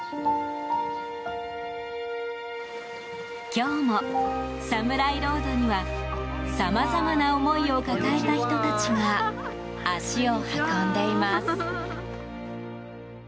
今日も、サムライロードにはさまざまな思いを抱えた人たちが足を運んでいます。